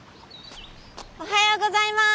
おはようございます！